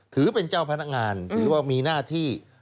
ถือเป็นเจ้าพนักงานถือว่ามีหน้าที่